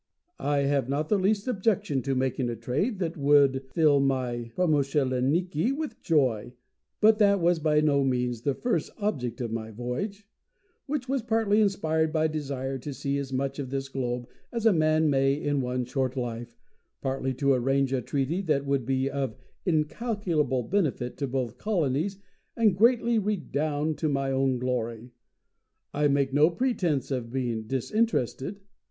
"I have not the least objection to making a trade that would fill my promuschleniki with joy; but that was by no means the first object of my voyage; which was partly inspired by a desire to see as much of this globe as a man may in one short life, partly to arrange a treaty that would be of incalculable benefit to both colonies and greatly redound to my own glory. I make no pretence of being disinterested.